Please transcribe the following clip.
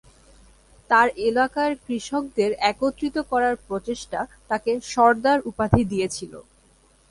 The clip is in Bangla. তাঁর এলাকার কৃষকদের একত্রিত করার প্রচেষ্টা তাঁকে 'সর্দার' উপাধি দিয়েছিল।